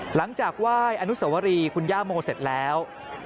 หลังจากไหว้อนุสวรีคุณย่าโมเสร็จแล้ว